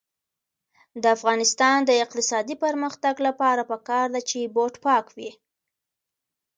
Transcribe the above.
د افغانستان د اقتصادي پرمختګ لپاره پکار ده چې بوټ پاک وي.